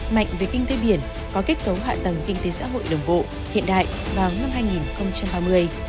mạnh về kinh tế biển có kết cấu hạ tầng kinh tế xã hội đồng bộ hiện đại vào năm hai nghìn ba mươi